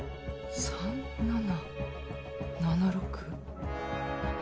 ３７７６？